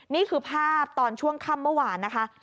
นี่คือภาพตอนช่วงค่ำเมื่อวานนะคะ